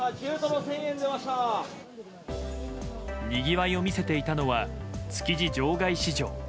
賑わいを見せていたのは築地場外市場。